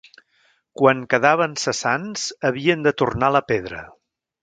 Quan quedaven cessants, havien de tornar la pedra.